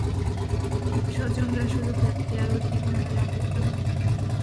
স্বজনরা শুধু দেখতে আর উদ্বিগ্ন হয়ে অপেক্ষা করতে পারে।